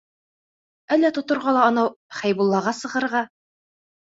Әллә тоторға ла анау Хәйбуллаға сығырға?